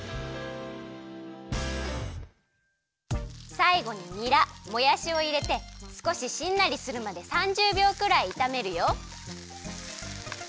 さいごににらもやしをいれてすこししんなりするまで３０びょうくらいいためるよ。